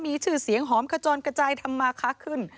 มีชื่อเสียงหอมขจรกระจายทำมาค้าขึ้น